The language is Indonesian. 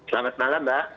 selamat malam mbak